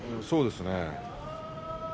そうですね。